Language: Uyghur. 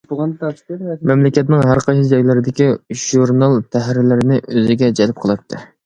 مەملىكەتنىڭ ھەرقايسى جايلىرىدىكى ژۇرنال تەھرىرلىرىنى ئۆزىگە جەلپ قىلاتتى.